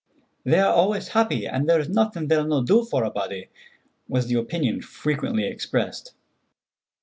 "They are always happy, and there is nothin' they'll no do for a body," was the opinion frequently expressed.